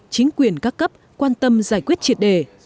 chính quyền các cấp quan tâm giải quyết triệt đề